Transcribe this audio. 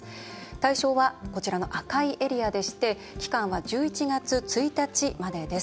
対象はこちらの赤いエリアでして期間は１１月１日までです。